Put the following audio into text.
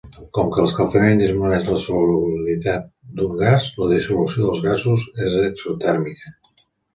Com que l'escalfament disminueix la solubilitat d'un gas, la dissolució dels gasos és exotèrmica.